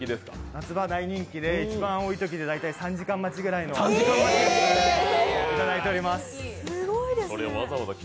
夏場大人気で、一番多いときで３時間待ちぐらいの時間をいただいております。